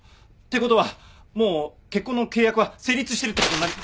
てことはもう結婚の契約は成立してるってことになり。